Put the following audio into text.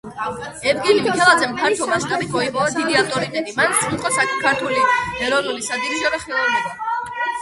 ევგენი მიქელაძემ ფართო მასშტაბით მოიპოვა დიდი ავტორიტეტი, მან სრულყო ქართული ეროვნული სადირიჟორო ხელოვნება.